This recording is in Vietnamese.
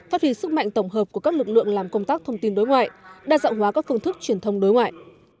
hiệu quả các phương thức truyền thông đối ngoại